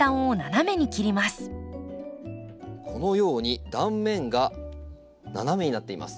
このように断面が斜めになっています。